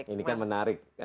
ini kan menarik